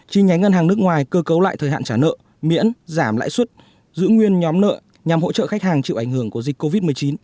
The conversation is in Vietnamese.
chi nhánh ngân hàng nước ngoài cơ cấu lại thời hạn trả nợ miễn giảm lãi suất giữ nguyên nhóm nợ nhằm hỗ trợ khách hàng chịu ảnh hưởng của dịch covid một mươi chín